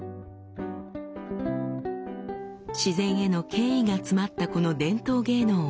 「自然への敬意が詰まったこの伝統芸能をもっと知りたい」。